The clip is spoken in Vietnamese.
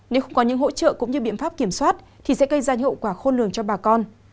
nếu không có những hỗ trợ cũng như biện pháp kiểm soát thì sẽ gây ra hậu quả khôn lường cho bà con